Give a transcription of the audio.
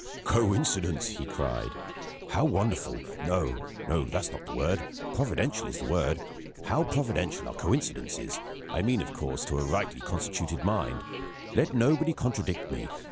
"Coincidence!" he cried. "How wonderful no; that's not the word providential is the word how providential are coincidences! I mean, of course, to a rightly constituted mind. Let nobody contradict me!